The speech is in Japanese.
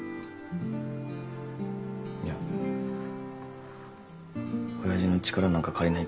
いや親父の力なんか借りないって